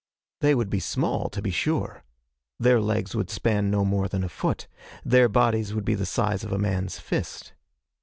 They would be small, to be sure. Their legs would span no more than a foot. Their bodies would be the size of a man's fist.